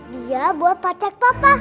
dia buat pacek papa